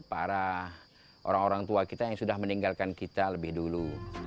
para orang orang tua kita yang sudah meninggalkan kita lebih dulu